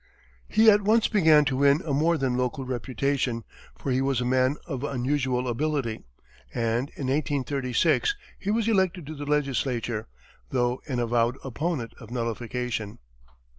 He at once began to win a more than local reputation, for he was a man of unusual ability, and in 1836, he was elected to the Legislature, though an avowed opponent of nullification.